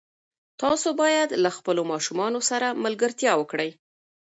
تاسو باید له خپلو ماشومانو سره ملګرتیا وکړئ.